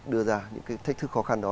đưa ra những cái thách thức khó khăn đó